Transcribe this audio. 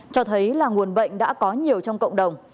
cho thấy là nguồn bệnh đã có nhiều trong cộng đồng